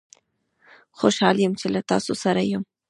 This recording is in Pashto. خوشحال یم چې له تاسوسره یم